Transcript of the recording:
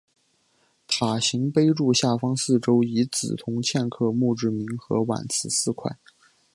塔形碑柱下方四周以紫铜嵌刻墓志铭和挽词四块。